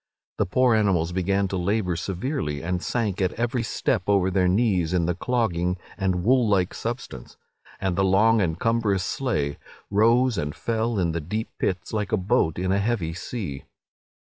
The poor animals began to labour severely, and sank at every step over their knees in the clogging and wool like substance; and the long and cumbrous sleigh rose and fell in the deep pits like a boat in a heavy sea.